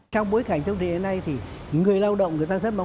trong bối cảnh thông tin đến nay thì người lao động